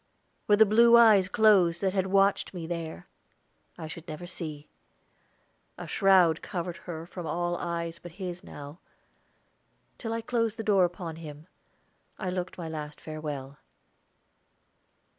Were the blue eyes closed that had watched me there? I should never see. A shroud covered her from all eyes but his now. Till I closed the door upon him, I looked my last farewell.